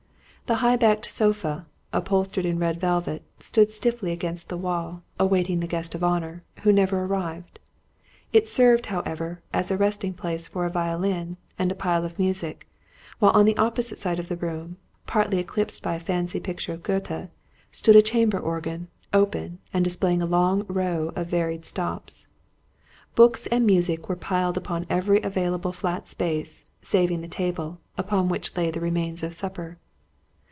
The high backed sofa, upholstered in red velvet, stood stiffly against the wall, awaiting the "guest of honour," who never arrived. It served, however, as a resting place for a violin, and a pile of music; while, on the opposite side of the room, partly eclipsing a fancy picture of Goethe, stood a chamber organ, open, and displaying a long row of varied stops. Books and music were piled upon every available flat space, saving the table; upon which lay the remains of supper.